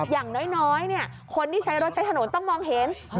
อย่างน้อยคนที่ใช้รถใช้ถนนต้องมองเห็น